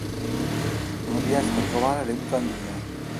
Non riesco a trovare le mutandine.